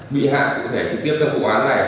bị hại cụ thể trực tiếp trong vụ án này